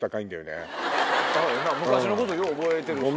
昔のことよう覚えてるしな。